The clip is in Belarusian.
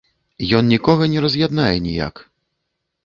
Ён нікога не раз'яднае ніяк.